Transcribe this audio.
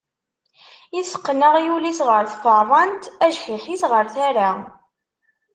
Iteqqen aɣyul-is ɣer tfeṛṛant, ajḥiḥ-is ɣer tara.